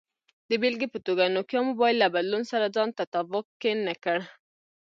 د بېلګې په توګه، نوکیا موبایل له بدلون سره ځان تطابق کې نه کړ.